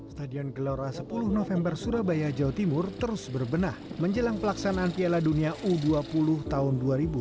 stadion gelora sepuluh november surabaya jawa timur terus berbenah menjelang pelaksanaan piala dunia u dua puluh tahun dua ribu dua puluh